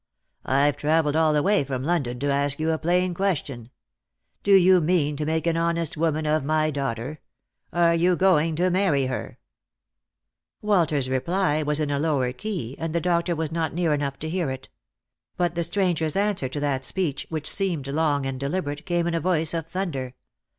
I've travelled all the way from London to ask you a plain question. Do you mean to make an honest woman of my daughter ? Are you going to marry her ?" Walter's reply was in a lower key, and the doctor was not near enough to hear it. But the stranger's answer to that speech, which seemed long and deliberate, came in a voice of thunder.